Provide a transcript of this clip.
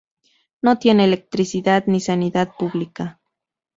No tiene electricidad ni sanidad pública.